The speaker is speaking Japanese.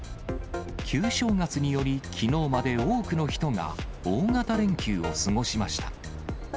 旧正月により、きのうまで多くの人が大型連休を過ごしました。